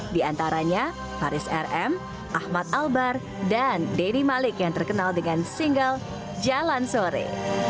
diantaranya faris rm ahmad albar dan dedy malik yang terkenal dengan single jalan sore